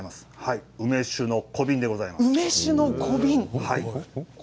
梅酒の小瓶でございます。